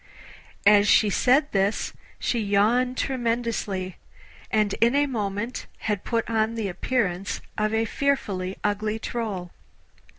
As she said this she yawned tremendously, and in a moment had put on the appearance of a fearfully ugly troll.